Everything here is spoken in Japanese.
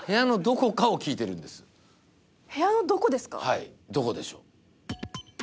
はいどこでしょう？